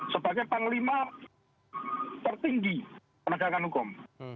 sebagai panglima tertinggi penegakan hukum